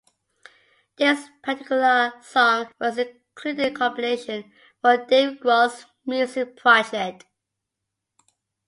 This particular song was included in a compilation for Dave Grohl's music project.